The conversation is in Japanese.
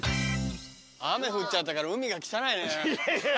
雨降っちゃったから海が汚いね。